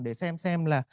để xem xem là